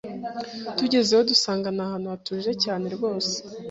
tugezeyo dusanga ni ahantu hatuje cyane rwose